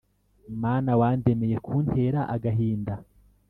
Mana wandemeye kuntera agahinda